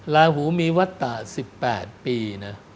ลาหูมีวัตตะ๑๘ปีนะ